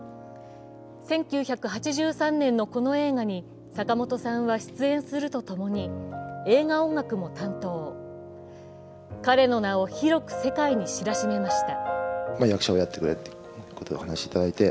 １９８３年のこの映画に坂本さんは出演するとともに映画音楽も担当、彼の名を広く世界に知らしめました。